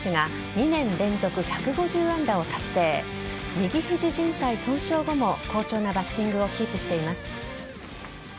右肘靭帯損傷後も好調なバッティングをキープしています。